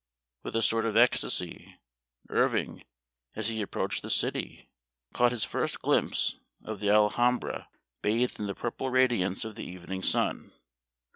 With a sort of ecstasy, Irving, as he approached the city, caught his first glimpse of the Alhambra bathed in the purple radiance of the evening sun.